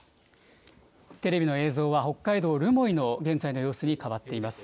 テレビの映像は、北海道留萌の現在の様子に変わっています。